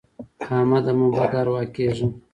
احمده مه بد اروا کېږه.